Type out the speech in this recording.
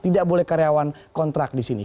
tidak boleh karyawan kontrak di sini